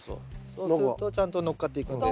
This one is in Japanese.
そうするとちゃんとのっかっていくんで。